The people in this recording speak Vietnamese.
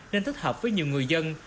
nên thích hợp với nhiều người dân